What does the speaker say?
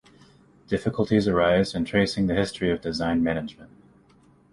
Difficulties arise in tracing the history of design management.